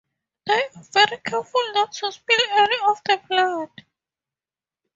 They are very careful not to spill any of the blood.